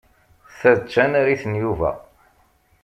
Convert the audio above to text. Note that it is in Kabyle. Ta d tanarit n Yuba.